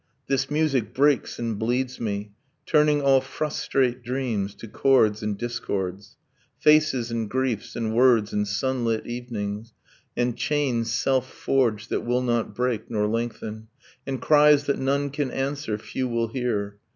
This music breaks and bleeds me, Turning all frustrate dreams to chords and discords, Faces and griefs, and words, and sunlit evenings, And chains self forged that will not break nor lengthen, And cries that none can answer, few will hear.